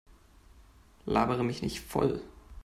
Labere mich nicht voll!